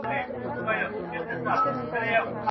لا طبیب نه وو راغلی د رنځور نصیب تر کوره.